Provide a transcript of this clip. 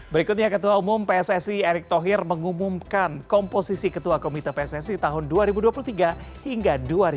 berikutnya ketua umum pssi erick thohir mengumumkan komposisi ketua komite pssi tahun dua ribu dua puluh tiga hingga dua ribu dua puluh tiga